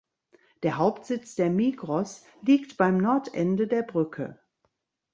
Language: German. Der Hauptsitz der Migros liegt beim Nordende der Brücke.